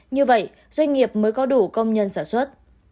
như vậy doanh nghiệp mới có đủ công nhân sản xuất